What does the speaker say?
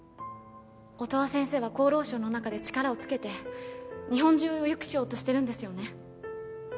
音羽先生は厚労省の中で力をつけて日本中をよくしようとしてるんですよね